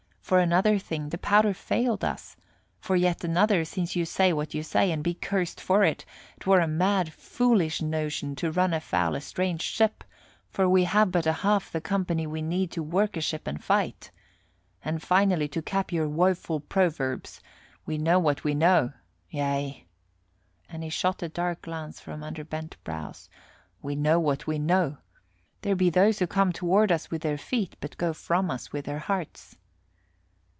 For another thing, the powder failed us. For yet another, since you say what you say, and be cursed for it, 'twere a mad, foolish notion to run afoul a strange ship, for we have but a half the company we need to work a ship and fight. And finally, to cap our woeful proverbs, we know what we know yea," and he shot a dark glance from under bent brows, "we know what we know; there be those who come toward us with their feet, but go from us with their hearts."